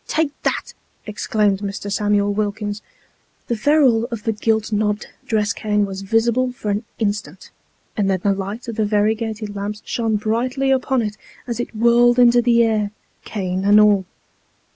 "Take that," exclaimed Mr. Samuel Wilkins. The ferrule of the gilt knobbed dress cane was visible for an instant, and then the light of the variegated lamps shono brightly upon it as it whirled into the air, cane and all.